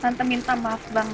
tante minta maaf banget ya